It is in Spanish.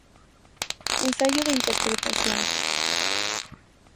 Ensayo de interpretación".